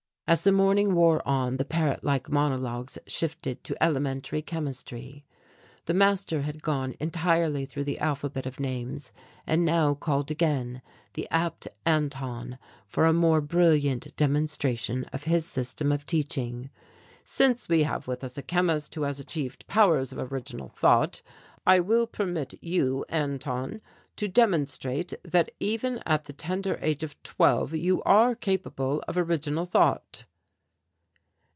As the morning wore on the parrot like monologues shifted to elementary chemistry. The master had gone entirely through the alphabet of names and now called again the apt Anton for a more brilliant demonstration of his system of teaching. "Since we have with us a chemist who has achieved powers of original thought, I will permit you, Anton, to demonstrate that even at the tender age of twelve you are capable of original thought."